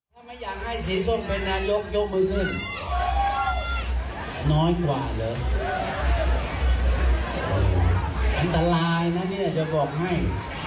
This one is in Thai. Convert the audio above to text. ถ้าไม่อยากให้สีส้มเป็นนายกยกมือขึ้น